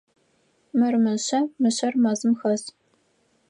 Мыр мышъэ, мышъэр мэзым хэс.